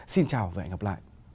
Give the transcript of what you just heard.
xin chào và hẹn gặp lại